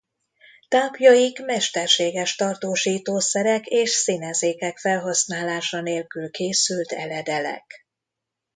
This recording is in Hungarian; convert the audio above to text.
Tápjaik mesterséges tartósítószerek és színezékek felhasználása nélkül készült eledelek.